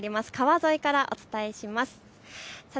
川沿いからお伝えします。